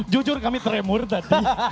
jujur kami tremur tadi